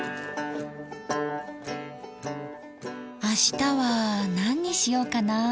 明日は何にしようかな？